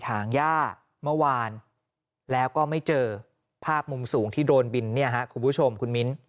ถางย่าเมื่อวานแล้วก็ไม่เจอภาพมุมสูงที่โดนบินเนี่ยฮะคุณผู้ชมคุณมิ้น